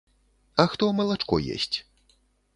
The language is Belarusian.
А хто малачко есць?